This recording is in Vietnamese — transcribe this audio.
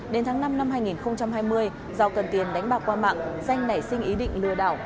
đến tháng năm năm hai nghìn hai mươi do cần tiền đánh bạc qua mạng danh nảy sinh ý định lừa đảo